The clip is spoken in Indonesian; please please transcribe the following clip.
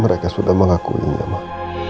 mereka sudah mengakuinya mas